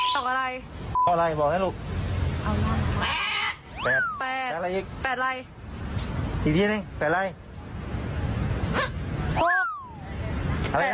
เอาอะไรบอกให้ลูกแปดแปดอะไรอีกอีกทีหนึ่งแปดอะไร